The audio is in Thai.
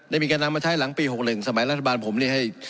มีการนำมาใช้หลังปี๖๑สมัยรัฐบาลผมนี่ให้